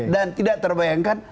dan tidak terbayangkan